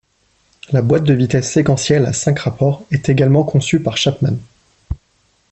La boîte de vitesses séquentielle, à cinq rapports, est également conçue par Chapman.